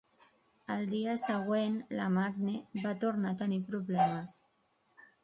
El dia següent, la Magne va tornar a tenir problemes.